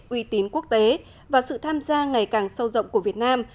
uy tín quốc tế và sự tham gia ngày càng sâu rộng của việt nam